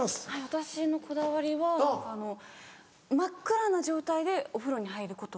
私のこだわりは真っ暗な状態でお風呂に入ること。